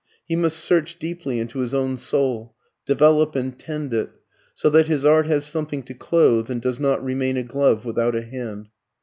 He must search deeply into his own soul, develop and tend it, so that his art has something to clothe, and does not remain a glove without a hand.